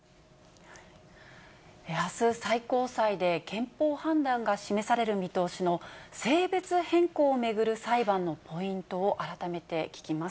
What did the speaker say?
あす、最高裁で憲法判断が示される見通しの性別変更を巡る裁判のポイントを改めて聞きます。